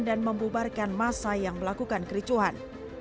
dan membubarkan massa yang melakukan kericuhan